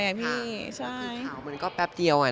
คือเขามันก็แป๊บเดียว